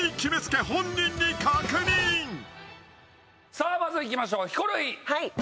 さぁまず行きましょうヒコロヒー！